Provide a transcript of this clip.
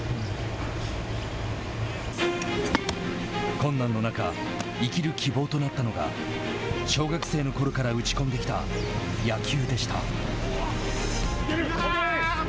困難の中生きる希望となったのが小学生のころから打ち込んできた野球でした。